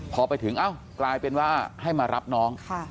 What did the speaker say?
พอไปถึงเอ้ากลายเป็นว่าให้มารับน้อง